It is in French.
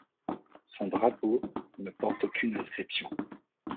Son drapeau ne porte aucune inscription.